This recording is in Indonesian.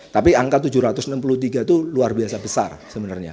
tapi angka tujuh ratus enam puluh tiga itu luar biasa besar sebenarnya